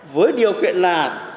với điều kiện là